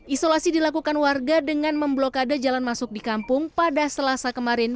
isolasi dilakukan warga dengan memblokade jalan masuk di kampung pada selasa kemarin